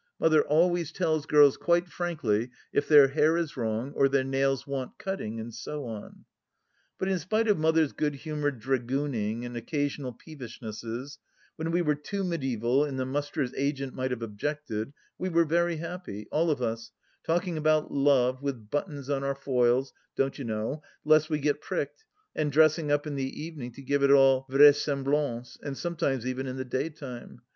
Mother always tells girls quite frankly if their hair is wrong or their nails want cutting, and so on. But in spite of Mother's good humoured dragooning and occasional peevishnesses, when we were too mediaeval and the Musters' agent might have objected, we were very happy, all of us, talking about Love with buttons on our foils, don't you know, lest we got pricked, and dressing up in the even ings to give it all vraisemblance, and sometimes even in the daytime.